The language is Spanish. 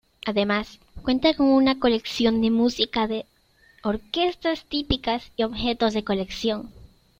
Además, cuenta con una colección de música de orquestas típicas y objetos de colección.